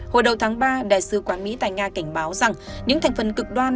hồi đầu tháng ba đại sứ quán mỹ tại nga cảnh báo rằng những thành phần cực đoan